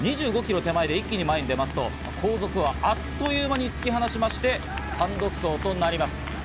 ２５キロ手前で一気に前に出ますと後続はあっという間に突き放しまして、単独走となります。